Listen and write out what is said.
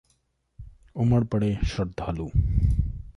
उमड़ पड़े श्रद्धालु